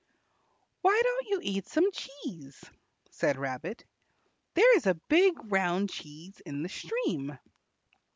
"Why don't you eat some cheese?" said Rabbit; "there is a big round cheese in the stream."